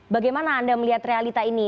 bagaimana anda melihat realita ini